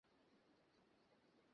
কিছু যায় আসে না।